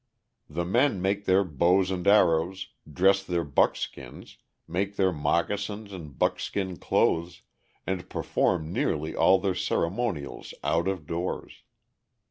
The men make their bows and arrows, dress their buckskin, make their moccasins and buckskin clothes, and perform nearly all their ceremonials out of doors.